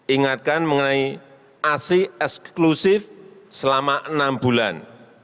ingatkan mengenai asi eksklusif selama enam bulan